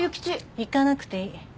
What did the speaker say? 行かなくていい。